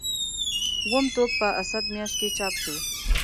اووم ټوک په اسد میاشت کې چاپ شو.